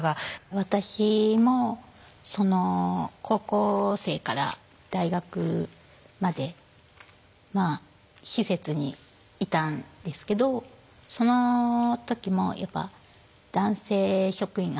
私も高校生から大学まで施設にいたんですけどその時もやっぱ男性職員が入ってたりしたんですよね。